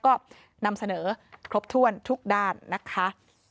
ก็นำเสนอครบถ้วนทุกด้านนะคะ